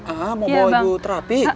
ah mau bawa ibu terapi